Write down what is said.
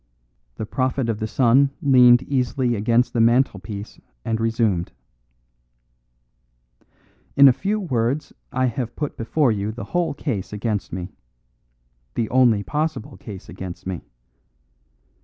The prophet of the sun leaned easily against the mantelpiece and resumed: "In a few words I have put before you the whole case against me the only possible case against me.